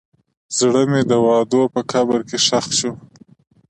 زړه مې د وعدو په قبر کې ښخ شو.